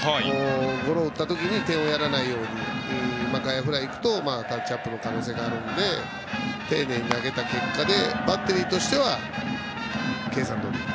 ゴロを打たれた時点をやらないようにすると外野フライになるとタッチアップの可能性があるので丁寧に投げた結果でバッテリーとしては計算どおり。